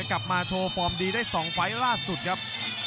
กลับมาโชว์ฟอร์มดีได้๒ไฟล์ล่าสุดครับ